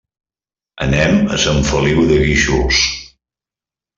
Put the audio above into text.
Anem a Sant Feliu de Guíxols.